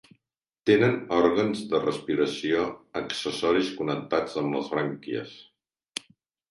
Tenen òrgans de respiració accessoris connectats amb les brànquies.